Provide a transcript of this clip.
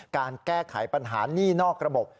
การแก้ไขปัญหานี่นอกระบบ